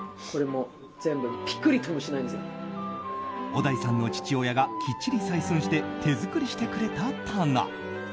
小田井さんの父親がきっちり採寸して手作りしてくれた棚。